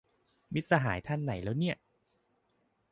มิตรสหายท่านไหนแล้วเนี่ย